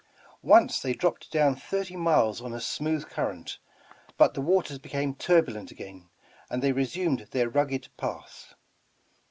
Once they dropped down thirty miles on a smooth current, but the waters became tur bulent again, and they resumed their rugged path.